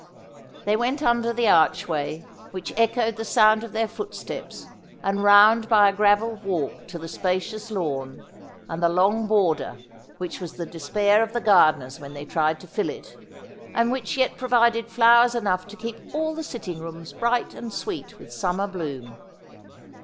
They went under the archway, which echoed the sound of their footsteps, and round by a gravel walk to the spacious lawn, ^Love is a Thing, as any Spirit, FreeJ 163 and the long border which was the despair of the gardeners when they tried to fill it, and which yet provided flowers enough to keep all the sitting rooms bright and sweet with summer bloom.